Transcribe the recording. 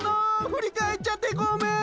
振り返っちゃってごめん！